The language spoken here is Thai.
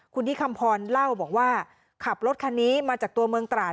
คุณที่คำพรเล่าบอกว่าขับรถคันนี้มาจากตัวเมืองตราด